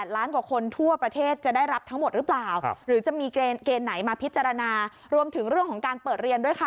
ล้านกว่าคนทั่วประเทศจะได้รับทั้งหมดหรือเปล่าหรือจะมีเกณฑ์ไหนมาพิจารณารวมถึงเรื่องของการเปิดเรียนด้วยค่ะ